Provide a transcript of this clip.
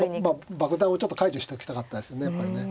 爆弾をちょっと解除しときたかったですねやっぱりね。